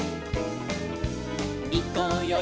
「いこうよい